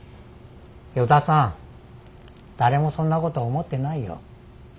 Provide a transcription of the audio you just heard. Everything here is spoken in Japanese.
依田さん誰もそんなこと思ってないよ。